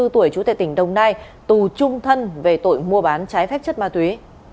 tuổi chủ tệ tỉnh đồng nai tù trung thân về tội mua bán trái phép chất ma túy